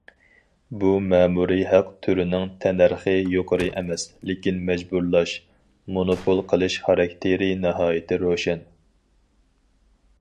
بۇ مەمۇرىي ھەق تۈرىنىڭ تەننەرخى يۇقىرى ئەمەس، لېكىن مەجبۇرلاش، مونوپول قىلىش خاراكتېرى ناھايىتى روشەن.